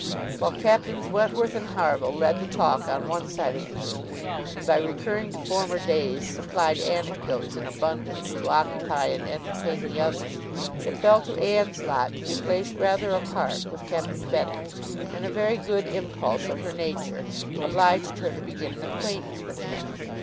While Captains Wentworth and Harville led the talk on one side of the room, and by recurring to former days, supplied anecdotes in abundance to occupy and entertain the others, it fell to Anne's lot to be placed rather apart with Captain Benwick; and a very good impulse of her nature obliged her to begin an acquaintance with him.